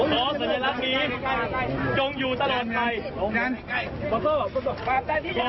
ขอสัญลักษณ์นี้จงอยู่ตลอดไทย